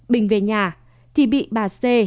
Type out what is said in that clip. bình về nhà thì bị bà c